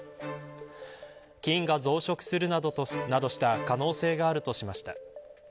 菌が増殖するなどした可能性があるとしました。